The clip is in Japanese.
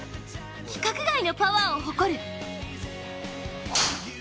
規格外のパワーを誇る。